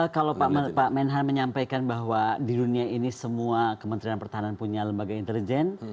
kalau pak menhan menyampaikan bahwa di dunia ini semua kementerian pertahanan punya lembaga intelijen